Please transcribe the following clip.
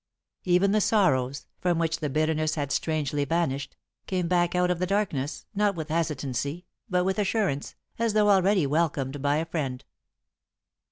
Even the sorrows, from which the bitterness had strangely vanished, came back out of the darkness, not with hesitancy, but with assurance, as though already welcomed by a friend.